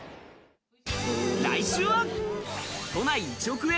来週は、都内１億円